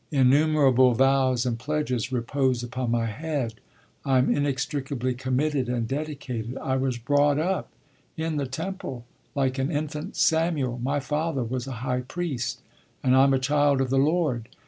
Innumerable vows and pledges repose upon my head. I'm inextricably committed and dedicated. I was brought up in the temple like an infant Samuel; my father was a high priest and I'm a child of the Lord.